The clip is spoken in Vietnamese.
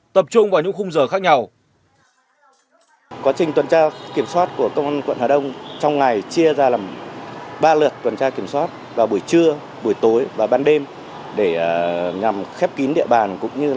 tập trung vào những khung giờ khác nhau